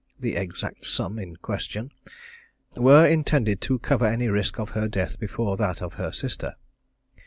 the exact sum in question, were intended to cover any risk of her death before that of her sister.